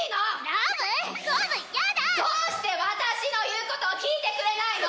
どうして私の言うことを聞いてくれないの！？